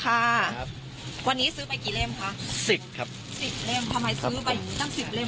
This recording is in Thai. ครับวันนี้ซื้อไปกี่เล่มคะสิบครับสิบเล่มทำไมซื้อไปอย่างงีตั้งสิบเล่ม